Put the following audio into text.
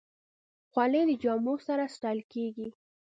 خولۍ د جامو سره ستایل کېږي.